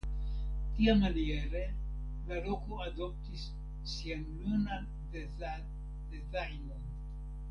Tiamaniere la loko adoptis sian nunan dezajnon.